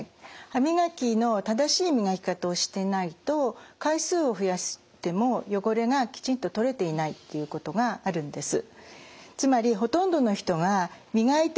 歯磨きの正しい磨き方をしてないと回数を増やしても汚れがきちんと取れていないっていうことがあるんです。